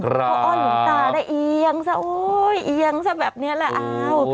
พออ้อนหลวงตาได้เอียงซะโอ้ยเอียงซะแบบนี้แหละอ้าว